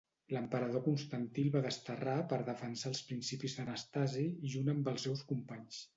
L'emperador Constantí el va desterrar per defensar els principis d'Anastasi, junt amb els seus companys.